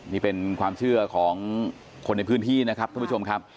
นี่เป็นความเชื่อของคนในพื้นที่นะครับท่านผู้ชมครับ